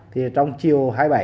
thì trong chiều hai mươi bảy